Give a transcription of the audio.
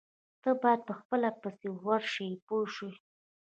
تۀ باید په خپله پسې ورشې پوه شوې!.